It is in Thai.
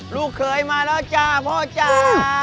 ลูกเขยมาแล้วจ้าพ่อจ้า